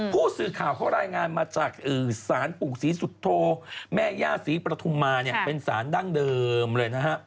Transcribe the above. ผู้สื่อข่าวเขารายงานมาจากศาลปู่ศรีสุโธแม่ย่าศรีปฐุมมาเนี่ยเป็นสารดั้งเดิมเลยนะฮะ